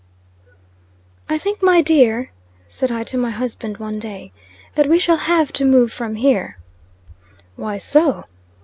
"I THINK, my dear," said I to my husband one day, "that we shall have to move from here." "Why so?"